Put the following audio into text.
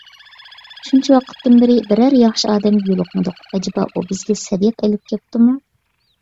شۇنچە ۋاقىتتىن بېرى بىرەر ياخشى ئادەمگە يولۇقمىدۇق، ئەجەبا ئۇ بىزگە سەدىقە ئېلىپ كەپتۇمۇ؟